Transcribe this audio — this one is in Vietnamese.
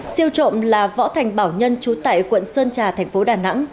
siêu trộm là võ thành bảo nhân trú tại quận sơn trà thành phố đà nẵng